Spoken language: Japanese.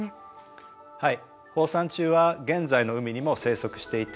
はい。